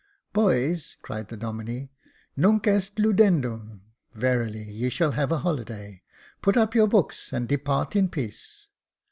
" Boys," cried the Domine, " fiunc est ludendum 5 verily ye shall have a holiday ; put up your books, and depart in peace."